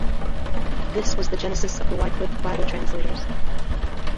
This was the genesis of the Wycliffe Bible Translators.